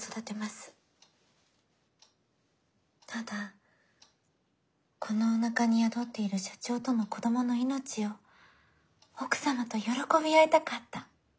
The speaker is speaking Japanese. ただこのおなかに宿っている社長との子どもの命を奥様と喜び合いたかった。